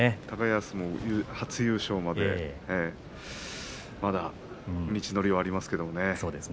高安の初優勝までまだ道のりはありますけれどもね。